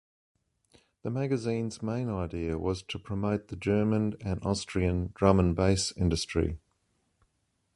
The magazine's main idea was to promote the German and Austrian drum-and-bass industry.